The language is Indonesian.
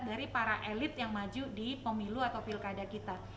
dari para elit yang maju di pemilu atau pilkada kita